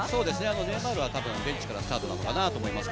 ネイマールはたぶんベンチからスタートかなと思います。